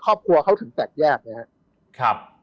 ครอบครัวเขาถึงแตกแยกไงครับ